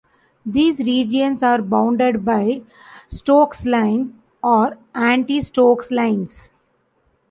These regions are bounded by Stokes line or anti-Stokes lines.